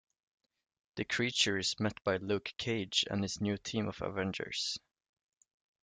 The creature is met by Luke Cage and his new team of Avengers.